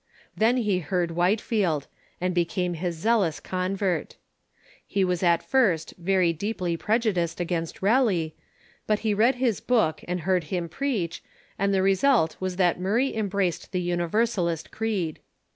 Then he heard Whitefield, and became his zealous convert. He was at first very deeply prejudiced against Rell}', but he read his book and heard him preach, and the result was that Murray embraced the LTniversalist creed.